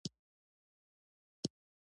ازادي راډیو د ترانسپورټ حالت ته رسېدلي پام کړی.